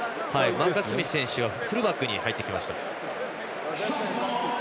マーカス・スミス選手はフルバックに入ってきました。